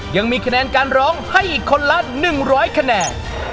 ยังมีคะแนนการร้องให้อีกคนละ๑๐๐คะแนน